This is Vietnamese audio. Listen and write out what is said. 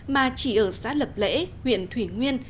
mà chỉ ở xã lập lễ huyện thủy nguyên